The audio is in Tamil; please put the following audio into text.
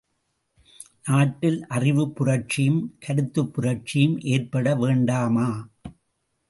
நாட்டில் அறிவுப் புரட்சியும் கருத்துப் புரட்சியும் ஏற்பட வேண்டாமா?